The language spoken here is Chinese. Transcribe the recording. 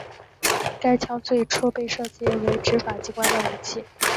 该枪最初被设计为执法机关的武器。